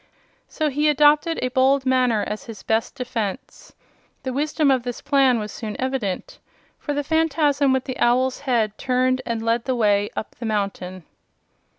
So he adopted a bold manner as his best defense. The wisdom of this plan was soon evident, for the Phanfasm with the owl's head turned and led the way up the mountain.